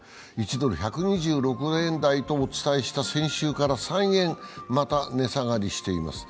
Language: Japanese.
１ドル１２６円台とお伝えした先週から３円、また値下がりしています。